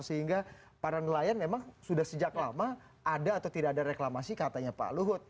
sehingga para nelayan memang sudah sejak lama ada atau tidak ada reklamasi katanya pak luhut